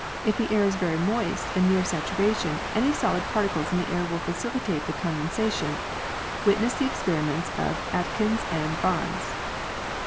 If the air is very moist and near satu ration, any solid particles in the air will facilitate the condensa tion; witness the experiments of Aitken and Barus.